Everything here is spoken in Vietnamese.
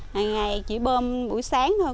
hàng ngày chỉ bơm buổi sáng thôi